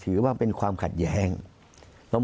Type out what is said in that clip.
มุมนักวิจักรการมุมประชาชนทั่วไป